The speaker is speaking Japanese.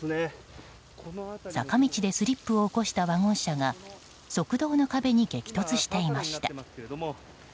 坂道でスリップを起こしたワゴン車が側道の壁に激突していました。